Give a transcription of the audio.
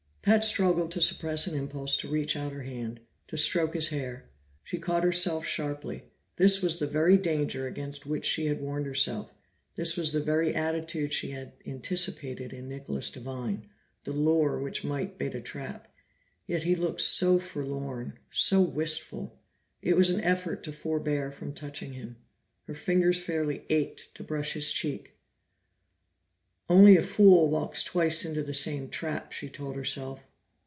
Pat struggled to suppress an impulse to reach out her hand, to stroke his hair. She caught herself sharply; this was the very danger against which she had warned herself this was the very attitude she had anticipated in Nicholas Devine, the lure which might bait a trap. Yet he looked so forlorn, so wistful! It was an effort to forbear from touching him; her fingers fairly ached to brush his cheek. "Only a fool walks twice into the same trap," she told herself.